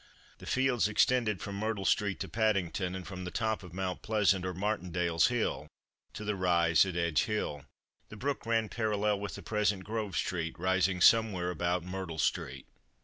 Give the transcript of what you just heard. The fields extended from Myrtle street to Paddington, and from the top of Mount Pleasant or Martindale's hill, to the rise at Edge hill. The brook ran parallel with the present Grove street, rising somewhere about Myrtle street.